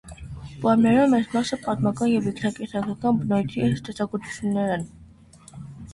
Պոէմներու մեծ մասը պատմական եւ ինքնակենսագրական բնոյթի ստեղծագործութիւններ են։